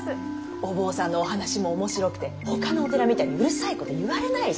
お坊さんのお話も面白くてほかのお寺みたいにうるさいこと言われないし。